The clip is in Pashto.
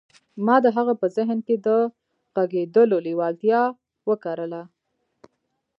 ما د هغه په ذهن کې د غږېدلو لېوالتیا وکرله